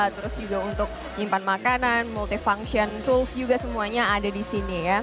terus juga untuk nyimpan makanan multifunction tools juga semuanya ada di sini ya